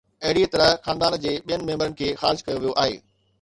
اهڙيء طرح خاندان جي ٻين ميمبرن کي خارج ڪيو ويو آهي.